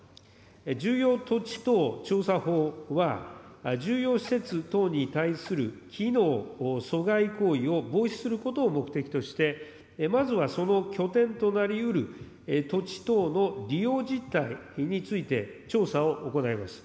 重要土地等調査法は、重要施設等に対する機能阻害行為を防止することを目的として、まずはその拠点となりうる土地等の利用実態について、調査を行います。